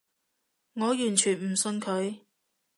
我完全唔信佢